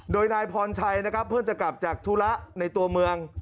โดยนายพรชัยนะครับเพิ่งจะกลับจากธุระในตัวเมือง